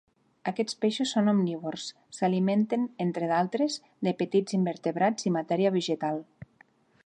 Aquests peixos són omnívors; s'alimenten entre d'altres de petits invertebrats i matèria vegetal.